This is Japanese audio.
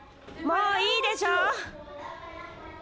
もういいでしょ？